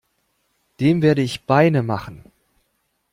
Dem werde ich Beine machen!